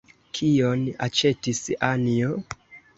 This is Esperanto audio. Kion aĉetis Anjo?